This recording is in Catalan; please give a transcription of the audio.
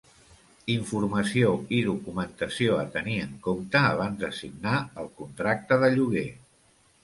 Informació i documentació a tenir en compte abans de signar el contracte de lloguer.